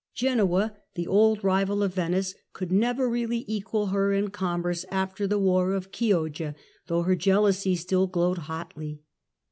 Genoa Geuoa, the old rival of Venice, could never really equal her in commerce after the war of Chioggia, though her jealousy still glowed hotly.